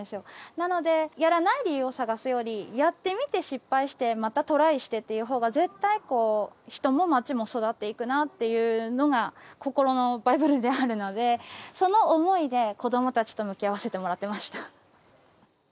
なのでやらない理由を探すよりやってみて失敗してまたトライしてっていうほうが絶対人も町も育っていくなっていうのが心のバイブルであるのでその思いで子どもたちと向き合わせてもらってました。